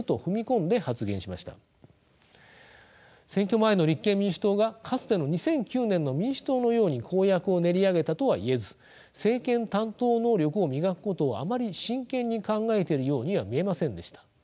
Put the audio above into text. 選挙前の立憲民主党がかつての２００９年の民主党のように公約を練り上げたとは言えず政権担当能力を磨くことをあまり真剣に考えているようには見えませんでした。